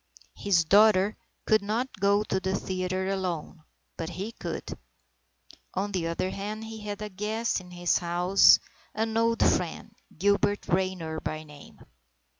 His daughter could not go to the theatre alone, but he could. On the other hand, he had a guest in his house, an old friend, Gilbert Raynor by name.